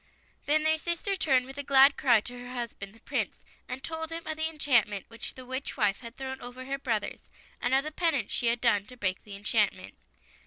Then their sister turned with a glad cry to her husband, the Prince, and told him of the enchantment which the witch wife had thrown over her brothers, and of the penance she had done to break the enchantrnent.